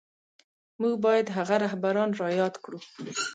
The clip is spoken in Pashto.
موږ بايد هغه رهبران را ياد کړو.